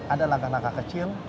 ada langkah langkah kecil